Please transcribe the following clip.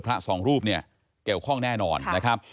สองรูปเนี่ยเกี่ยวข้องแน่นอนนะครับ